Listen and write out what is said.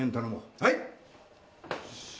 はい。